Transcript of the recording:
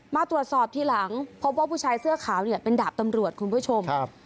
มาตรวจสอบทีหลังพบว่าผู้ชายเสื้อขาวเนี่ยเป็นดาบตำรวจคุณผู้ชมครับ